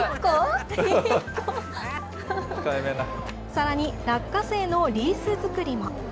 さらに、落花生のリース作り